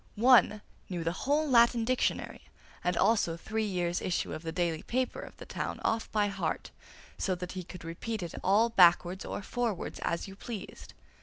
One knew the whole Latin dictionary and also three years' issue of the daily paper of the town off by heart, so that he could repeat it all backwards or forwards as you pleased.